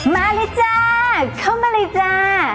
มาเลยจ้าเข้ามาเลยจ้า